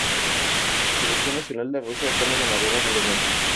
La selección nacional de Rusia fue la ganadora del evento.